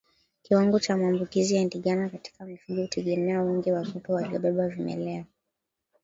Kiwango cha maambukizi ya ndigana katika mifugo hutegemea wingi wa kupe waliobeba vimelea